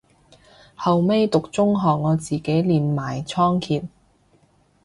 後尾讀中學我自己練埋倉頡